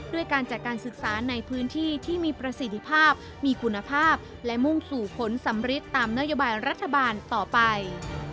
ด้วยการจัดการศึกษาในพื้นที่ที่มีประสิทธิภาพมีคุณภาพและมุ่งสู่ผลสำริดตามนโยบายรัฐบาลต่อไป